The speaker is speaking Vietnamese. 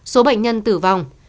số bệnh nhân tử vong